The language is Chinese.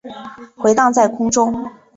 回荡在空中